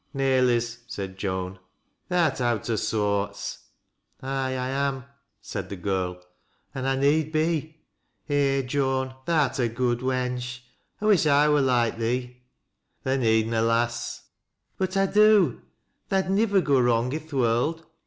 " Nay, Liz," said Joan. " Tha'rt out o' soarts." " Ay, I am," said the girl, " an' I need be. Eh, Joan ! tha'rt a good wench. I wish I wur loike thee." " Tha need na, lass." " But I do. Tha'd nivver go wrong i' th' world.